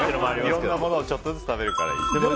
いろんなものを、ちょっとずつ食べるからいいんですよね。